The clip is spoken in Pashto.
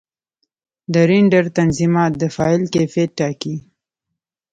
د رېنډر تنظیمات د فایل کیفیت ټاکي.